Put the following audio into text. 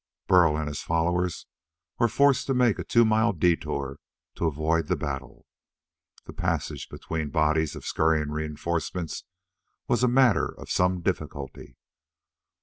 Burl and his followers were forced to make a two mile detour to avoid the battle. The passage between bodies of scurrying reinforcements was a matter of some difficulty.